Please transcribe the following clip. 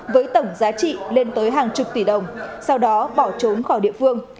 với tổng giá trị lên tới hàng chục tỷ đồng sau đó bỏ trốn khỏi địa phương